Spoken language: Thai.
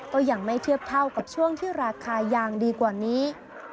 ก็ยังไม่เทียบเท่ากับช่วงที่ราคายางดีกว่านี้